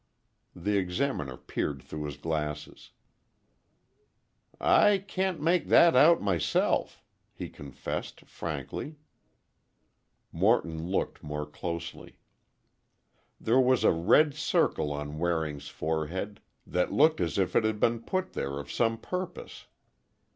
The Examiner peered through his glasses. "I can't make that out, myself," he confessed, frankly. Morton looked more closely. There was a red circle on Waring's forehead, that looked as if it had been put there of some purpose.